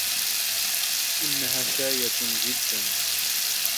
إنها شاية جداً.